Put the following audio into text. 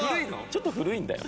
ちょっと古いんだよ。